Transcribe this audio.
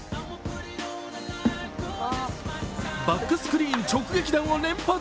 バックスクリーン直撃弾を連発。